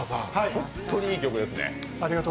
本当にいい曲ですね。